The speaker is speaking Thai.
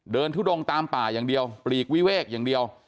ทุดงตามป่าอย่างเดียวปลีกวิเวกอย่างเดียว